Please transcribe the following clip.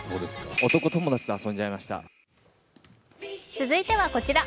続いてはこちら。